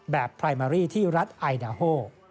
ไพรมารีที่รัฐไอดาโฮ